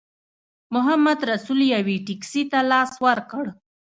محمدرسول یوې ټیکسي ته لاس ورکړ.